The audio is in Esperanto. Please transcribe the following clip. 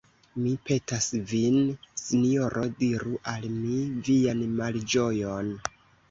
Mi petas vin, sinjoro, diru al mi vian malĝojon!